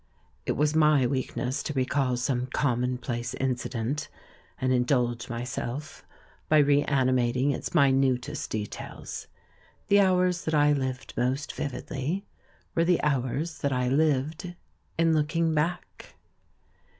It was my weakness to recall some commonplace incident and indulge myself by reanimating its minutest details; the hours that I lived most vividly were the hours that I lived in looking back.